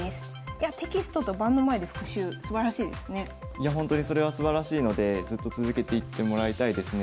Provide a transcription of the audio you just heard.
いやほんとにそれはすばらしいのでずっと続けていってもらいたいですね。